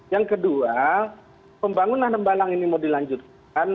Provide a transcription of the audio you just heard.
yang kedua pembangunan tembalang ini mau dilanjutkan